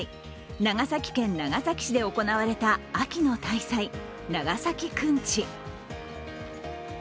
長崎県長崎市で行われた秋の大祭・長崎くんち。